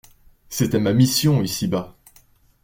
C'était ma mission ici-bas.